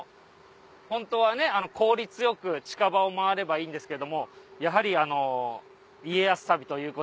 ホントはね効率よく近場を回ればいいんですけどもやはり。